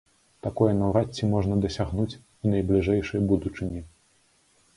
Такое наўрад ці можна дасягнуць у найбліжэйшай будучыні.